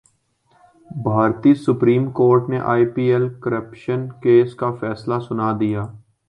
بھارتی supreme court نے I P L corruption case کا فیصلہ سنادیا